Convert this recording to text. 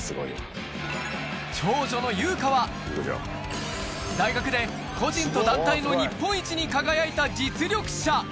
長女の由夏は、大学で個人と団体の日本一に輝いた実力者。